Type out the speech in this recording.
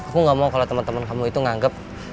gue gak mau kalau temen temen kamu itu nganggep